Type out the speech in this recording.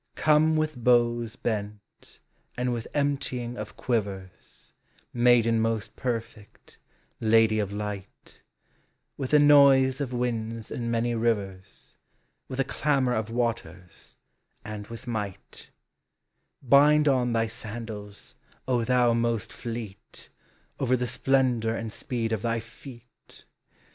Come with bows bent and with emptying quivers, Maiden most perfect, lady of light, With a noise of winds and many rivers, With a clamor of waters, and with mighl ; Bind on thy sandals, O thou most fleet, Over the splendor and speed of thy feel